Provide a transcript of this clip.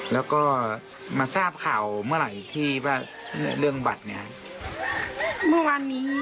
แล้วก็มาทราบข่าวเมื่อไหร่เรื่องบัตรค่ะ